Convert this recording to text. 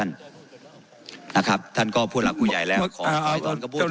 นะครับท่านก้อผู้หลักผู้ใหญ่แล้วขอขอให้ท่านกำพูดนะครับ